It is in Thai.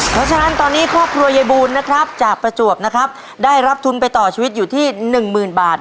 เพราะฉะนั้นตอนนี้ครอบครัวยายบูลนะครับจากประจวบนะครับได้รับทุนไปต่อชีวิตอยู่ที่หนึ่งหมื่นบาท